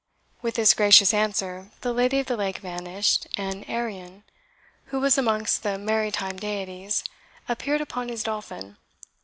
With this gracious answer the Lady of the Lake vanished, and Arion, who was amongst the maritime deities, appeared upon his dolphin.